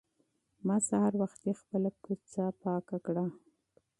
ما سهار وختي خپله کوڅه پاکه کړه.